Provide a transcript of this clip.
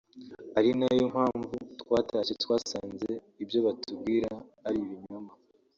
ari na yo mpamvu twatashye twasanze ibyo batubwira ari ibinyoma